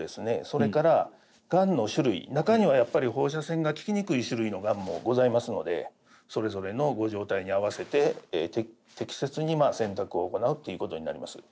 それからがんの種類中にはやっぱり放射線が効きにくい種類のがんもございますのでそれぞれのご状態に合わせて適切に選択を行うということになります。